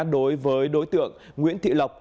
đối với đối tượng nguyễn thị lộc